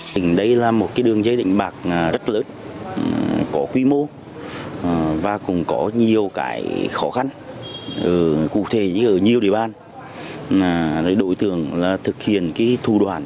để đột kích bắt giữ các đối tượng và vật chứng liên quan